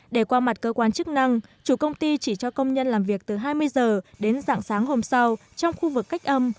để qua mặt cơ quan chức năng chủ công ty chỉ cho công nhân làm việc từ hai mươi h đến dạng sáng hôm sau trong khu vực cách âm